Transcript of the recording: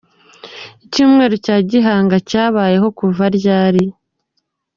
Icyumweru cya Gihanga cyabayeho kuva ryari?